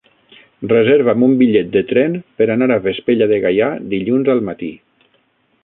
Reserva'm un bitllet de tren per anar a Vespella de Gaià dilluns al matí.